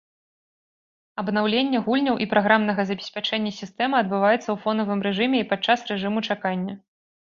Абнаўлення гульняў і праграмнага забеспячэння сістэмы адбываецца ў фонавым рэжыме і падчас рэжыму чакання.